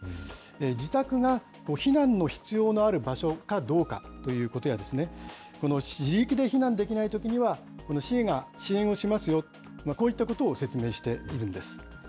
自宅が避難の必要のある場所かどうかということや、自力で避難できないときには市が支援をしますよ、こういったことを説明しているんです。